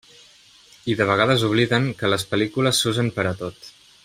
I de vegades obliden que les pel·lícules s'usen per a tot.